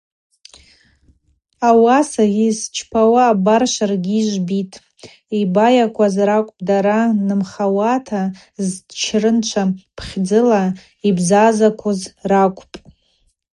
Ауаса йызчпауа, абар шваргьи йыжвбитӏ, йбайакваз ракӏвпӏ, дара нымхауата, зчрынчва рпхдзыла йбзазаквуз ракӏвпӏ.